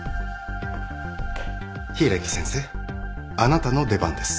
柊木先生あなたの出番です。